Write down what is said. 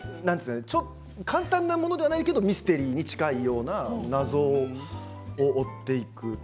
簡単なものじゃないけどミステリーに近いような謎を追っていく。